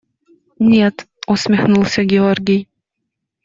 – Нет, – усмехнулся Георгий.